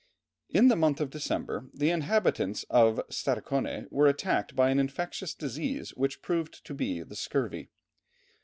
In the month of December the inhabitants of Stadaconé were attacked by an infectious disease which proved to be the scurvy.